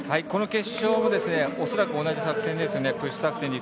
この決勝も恐らく同じ作戦ですね。